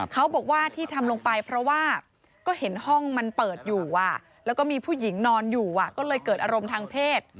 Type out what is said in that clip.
เขาบอกว่าที่ทำลงไปเพราะว่าก็เห็นห้องมันเปิดอยู่แล้วก็มีผู้หญิงนอนอยู่ก็เลยเกิดอารมณ์ทางเพศ